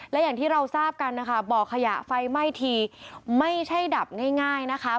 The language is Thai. และอย่างที่เราทราบกันนะคะบ่อขยะไฟไหม้ทีไม่ใช่ดับง่ายนะคะ